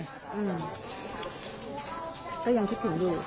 ก็ยังคิดถึงอยู่